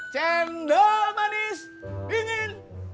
cendol manis dingin